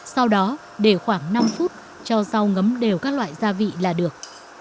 sau đó để khoảng năm phút cho rau ngấm đều các loại gia vị là được